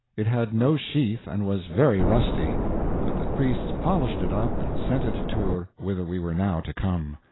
It had no sheath and was very rusty, but the priests polished it up and sent it to Tours, whither we were now to come.